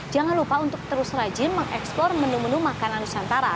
jangan lupa untuk terus rajin mengeksplor menu menu makanan nusantara